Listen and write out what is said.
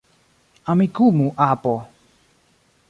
Amikumu, apo.